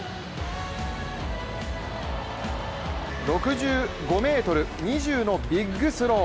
６５ｍ２０のビッグスロー。